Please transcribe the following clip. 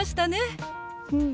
うん。